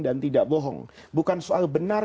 dan tidak bohong bukan soal benar